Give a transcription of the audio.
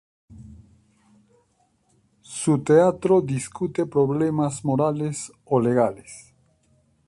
Su teatro discute problemas morales o legales.